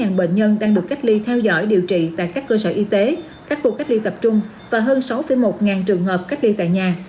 một bệnh nhân đang được cách ly theo dõi điều trị tại các cơ sở y tế các khu cách ly tập trung và hơn sáu một trường hợp cách ly tại nhà